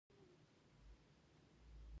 هغه له خان بهادر رب نواز خان سره ولیدل.